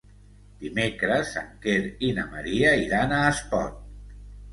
Dimecres en Quer i na Maria iran a Espot.